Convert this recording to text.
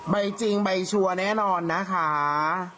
จริงใบชัวร์แน่นอนนะคะ